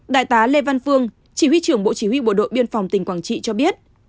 đại tá lê văn phương chỉ huy trưởng bộ chỉ huy bộ đội biên phòng tỉnh quảng trị cho biết